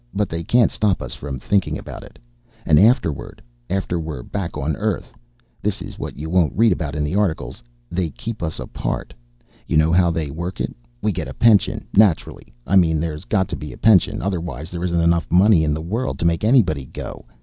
But they can't stop us from thinking about it. And afterward, after we're back on Earth this is what you won't read about in the articles they keep us apart. You know how they work it? We get a pension, naturally. I mean there's got to be a pension, otherwise there isn't enough money in the world to make anybody go.